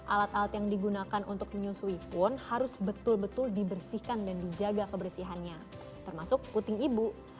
alat alat yang digunakan untuk menyusui pun harus betul betul dibersihkan dan dijaga kebersihannya termasuk puting ibu